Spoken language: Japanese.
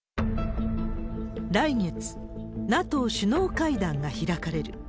来月、ＮＡＴＯ首脳会談が開かれる。